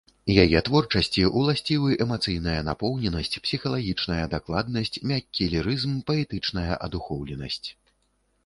Яе творчасці ўласцівы эмацыйная напоўненасць, псіхалагічная дакладнасць, мяккі лірызм, паэтычная адухоўленасць.